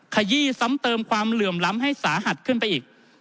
ขยี้ซ้ำเติมความเหลื่อมล้ำให้สาหัสขึ้นไปอีก